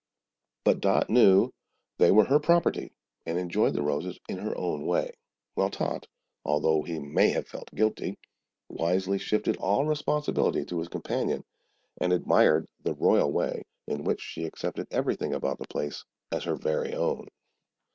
But Dot knew they were her property and enjoyed the roses in her own way; while Tot, although he may have felt guilty, wisely shifted all responsibility to his companion, and admired the royal way in which she accepted everything about the place as her very own.